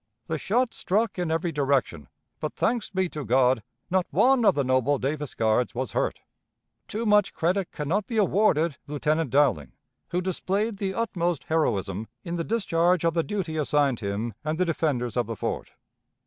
The shot struck in every direction, but, thanks be to God! not one of the noble Davis Guards was hurt. Too much credit can not be awarded Lieutenant Dowling, who displayed the utmost heroism in the discharge of the duty assigned him and the defenders of the fort.